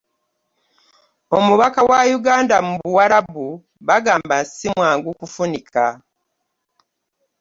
Omubaka wa Yuganda mu buwalabu bagamba si mwangu kufunika.